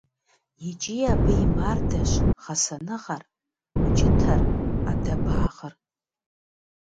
ИкӀи абы и мардэщ гъэсэныгъэр, укӀытэр, Ӏэдэбагъыр.